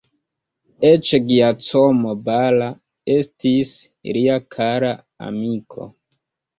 Eĉ Giacomo Balla, estis lia kara amiko.